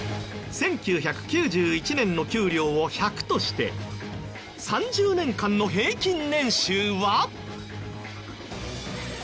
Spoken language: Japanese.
１９９１年の給料を１００として３０年間の平均年収は？